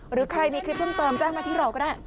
หรือใครมีคลิปเพิ่มเติมแจ้งมาที่เราก็ได้